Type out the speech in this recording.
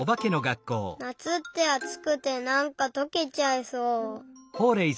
なつってあつくてなんかとけちゃいそう。